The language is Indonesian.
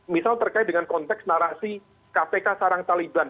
misal terkait dengan konteks narasi kpk sarang taliban